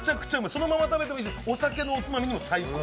そのまま食べてもいいしお酒のおつまみにも最高。